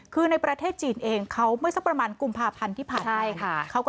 คือในประเทศจีนเองเขาเมื่อสักประมาณกุมภาพันธ์ที่ผ่านมา